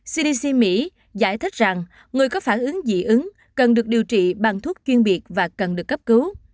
cdc mỹ giải thích rằng người có phản ứng dị ứng cần được điều trị bằng thuốc chuyên biệt và cần được cấp cứu